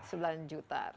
hanya beberapa bulan